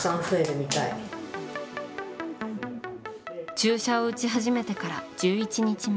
注射を打ち始めてから１１日目。